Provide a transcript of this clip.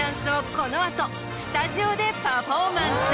この後スタジオでパフォーマンス。